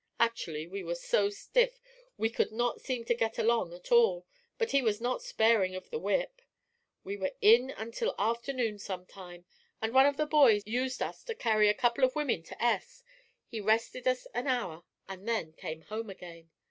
Actually we were so stiff we could not seem to get along at all, but he was not sparing of the whip. "We were in until afternoon some time, and one of the boys used us to carry a couple of women to S . He rested us an hour and then came home again.